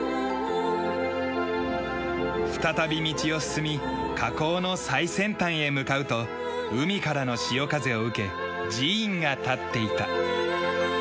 再び道を進み河口の最先端へ向かうと海からの潮風を受け寺院が立っていた。